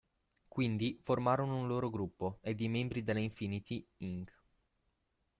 Quindi, formarono un loro gruppo, ed i membri della Infinity, Inc.